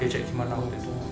diecek gimana waktu itu